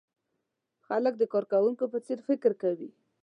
خلک د کارکوونکو په څېر فکر کوي.